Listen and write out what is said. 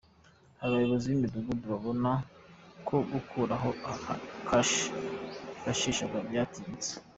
Hari abayobozi b’imidugudu babona ko gukuraho kashi bifashishaga byatinze